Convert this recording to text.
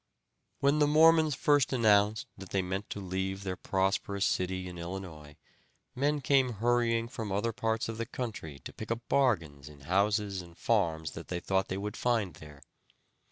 When the Mormons first announced that they meant to leave their prosperous city in Illinois men came hurrying from other parts of the country to pick up bargains in houses and farms that they thought they would find there.